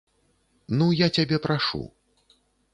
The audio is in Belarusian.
Ну я цябе прашу.